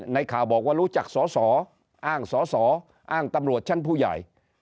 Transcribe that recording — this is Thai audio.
ข่าวบอกว่ารู้จักสอสออ้างสอสออ้างตำรวจชั้นผู้ใหญ่